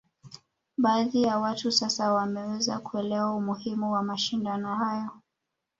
Baadhi ya watu sasa wameweza kuelewa umuhimu wa mashindano hayo